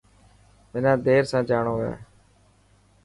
منا دير سان جاڻو هي.